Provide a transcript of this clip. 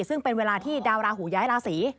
ซึ่งเป็นเวลาที่ดาวราหูย้ายราศี